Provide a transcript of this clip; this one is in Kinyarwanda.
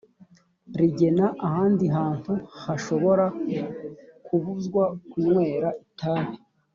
rigena ahandi hantu hashobora kubuzwa kunywera itabi